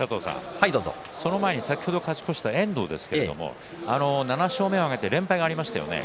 その前に先ほど勝ち越した遠藤ですけれども７勝目を挙げて連敗がありましたよね。